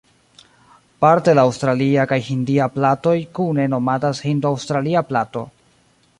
Parte la aŭstralia kaj hindia platoj kune nomatas "hindo-aŭstralia plato".